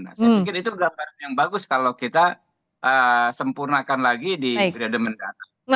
saya pikir itu adalah barang yang bagus kalau kita sempurnakan lagi di bdm